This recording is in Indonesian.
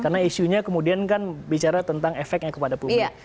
karena isunya kemudian kan bicara tentang efeknya kepada publik